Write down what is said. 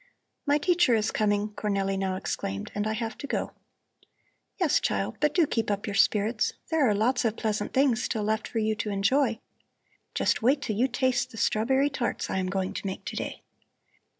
"My teacher is coming," Cornelli now exclaimed, "and I have to go." "Yes, child, but do keep up your spirits. There are lots of pleasant things still left for you to enjoy. Just wait till you taste the strawberry tarts I am going to make to day."